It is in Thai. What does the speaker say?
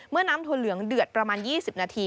เมื่อน้ำถั่วเหลืองเดือดประมาณ๒๐นาที